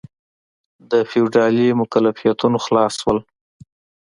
د فیوډالي مکلفیتونو خلاص شول.